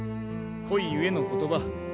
恋ゆえの言葉